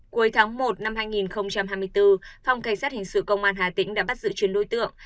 cuối tháng một năm hai nghìn hai mươi bốn phòng cảnh sát hình sự công an hà tĩnh đã bắt giữ chuyến đối tượng